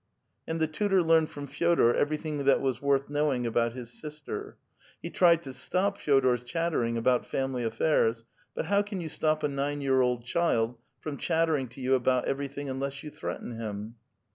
'" And the tutor learned from Fe6dor evervthiuG: that was worth knowing about his sister ; he tried to stop Feodor's chattering about family affairs, but how can 3'ou stop a nine year old child from chattering to you about everything unless you threaten him?